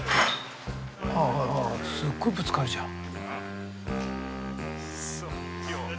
ああすっごいぶつかるじゃん。